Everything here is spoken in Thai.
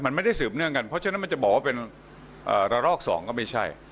มันไม่ได้สืบเนื่องกันเพราะฉะนั้นมันจะบอกว่าเป็นระลอกสองก็ไม่ใช่